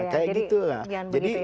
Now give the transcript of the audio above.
kayak gitu jadi